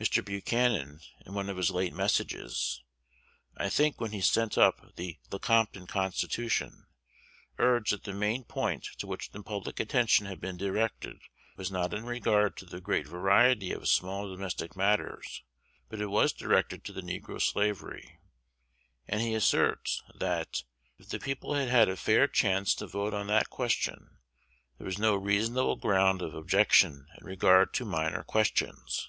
Mr. Buchanan, in one of his late messages (I think when he sent up the Lecompton Constitution), urged that the main point to which the public attention had been directed was not in regard to the great variety of small domestic matters, but it was directed to negro slavery; and he asserts, that, if the people had had a fair chance to vote on that question, there was no reasonable ground of objection in regard to minor questions.